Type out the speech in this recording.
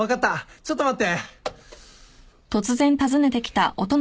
ちょっと待って。